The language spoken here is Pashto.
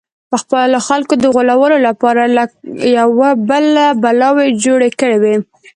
د خپلو خلکو د غولولو لپاره یې له یوه بله بلاوې جوړې کړې وې.